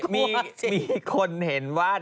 มีคนเห็นว่า